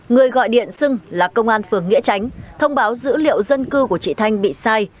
người gọi điện xưng là công an phường nghĩa tránh thông báo dữ liệu dân cư của chị thanh bị sai